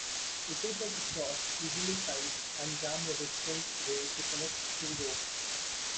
It is a secure, easily tied, and jam-resistant way to connect two ropes.